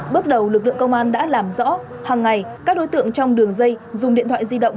bước đầu lực lượng công an đã làm rõ hàng ngày các đối tượng trong đường dây dùng điện thoại di động